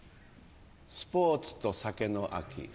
スポーツと酒の秋。